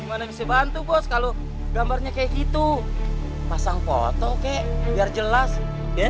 gimana bisa bantu bos kalau gambarnya kayak gitu pasang foto kek biar jelas dia